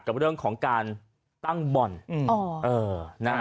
กับเรื่องของการตั้งบ่อน